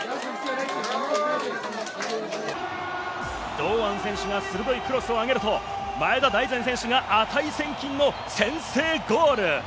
堂安選手が鋭いクロスを上げると前田大然選手が値千金の先制ゴール！